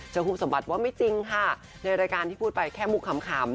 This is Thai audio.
ผู้สมบัติว่าไม่จริงค่ะในรายการที่พูดไปแค่มุกขำ